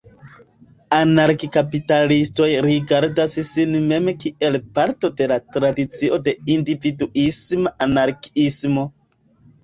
Anarki-kapitalistoj rigardas sin mem kiel parto de la tradicio de individuisma anarkiismo.